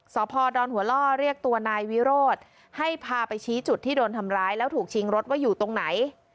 สพดอนหัวล่อเรียกตัวนายวิโรธให้พาไปชี้จุดที่โดนทำร้ายแล้วถูกชิงรถว่าอยู่ตรงไหน